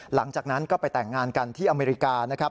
หลังจากนั้นก็ไปแต่งงานกันที่อเมริกานะครับ